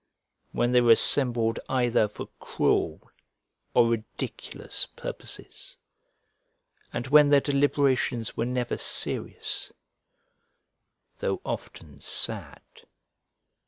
when they were assembled either for cruel or ridiculous purposes, and when their deliberations were never serious, though often sad!